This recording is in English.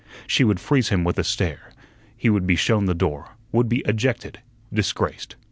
She would freeze him with a stare; he would be shown the door, would be ejected, disgraced.